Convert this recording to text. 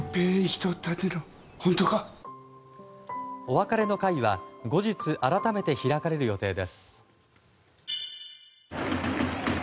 お別れの会は後日、改めて開かれる予定です。